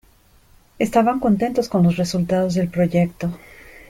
Estaban contentos con los resultados del proyecto.